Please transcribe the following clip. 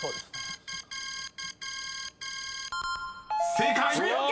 ［正解！